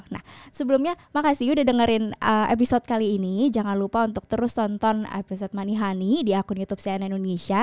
nah sebelumnya makasih udah dengerin episode kali ini jangan lupa untuk terus tonton episode money honey di akun youtube cnn indonesia